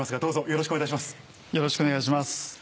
よろしくお願いします。